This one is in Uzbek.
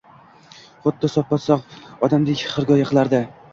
Xuddi soppa-sogʻ odamdek xirgoyi qilardi.